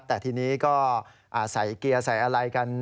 แต่ทีนี้ก็ใส่เกียร์ใส่อะไรกัน